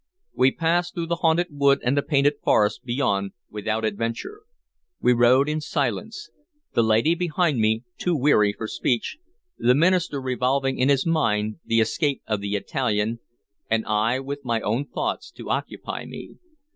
We passed through the haunted wood and the painted forest beyond without adventure. We rode in silence: the lady behind me too weary for speech, the minister revolving in his mind the escape of the Italian, and I with my own thoughts to occupy me.